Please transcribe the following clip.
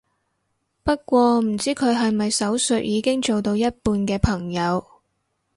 不過唔知佢係咪手術已經做到一半嘅朋友